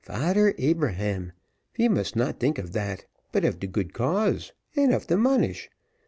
Fader Abraham! we must not think of that, but of de good cause, and of de monish.